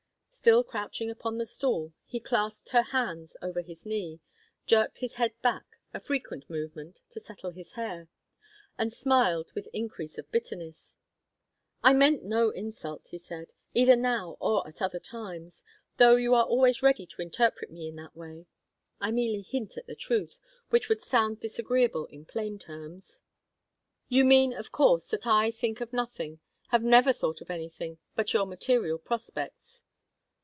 Still crouching upon the stool, he clasped his hands over his knee, jerked his head back a frequent movement, to settle his hair and smiled with increase of bitterness. "I meant no insult," he said, "either now or at other times, though you are always ready to interpret me in that way. I merely hint at the truth, which would sound disagreeable in plain terms." "You mean, of course, that I think of nothing have never thought of anything but your material prospects?"